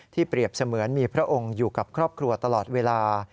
เปรียบเสมือนมีพระองค์อยู่กับครอบครัวตลอดเวลา